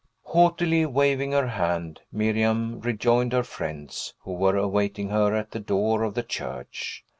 Haughtily waving her hand, Miriam rejoined her friends, who were awaiting her at the door of the church.